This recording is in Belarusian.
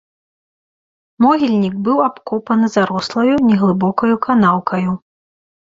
Могільнік быў абкопаны зарослаю, неглыбокаю канаўкаю.